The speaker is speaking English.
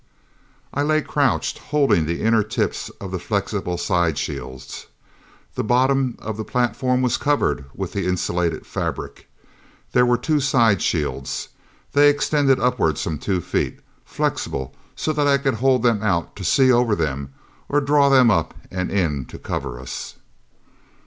I lay crouched, holding the inner tips of the flexible side shields. The bottom of the platform was covered with the insulated fabric. There were two side shields. They extended upward some two feet, flexible so that I could hold them out to see over them, or draw them up and in to cover us.